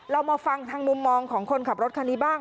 เรามาฟังทางมุมมองของคนขับรถคันนี้บ้าง